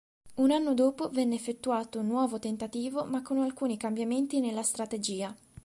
Un anno dopo venne effettuato un nuovo tentativo ma con alcuni cambiamenti nella strategia.